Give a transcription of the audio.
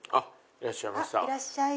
いらっしゃいました。